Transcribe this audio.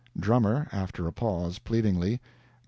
DRUMMER (after a pause, pleadingly).